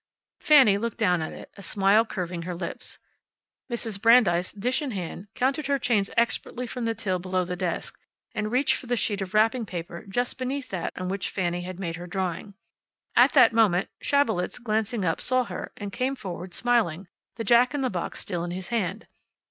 Fanny looked down at it, a smile curving her lips. Mrs. Brandeis, dish in hand, counted her change expertly from the till below the desk, and reached for the sheet of wrapping paper just beneath that on which Fanny had made her drawing. At that moment Schabelitz, glancing up, saw her, and came forward, smiling, the jack in the box still in his hand.